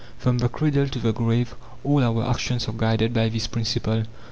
From the cradle to the grave all our actions are guided by this principle.